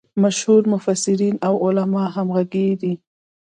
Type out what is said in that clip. مشهور مفسرین او علما همغږي دي.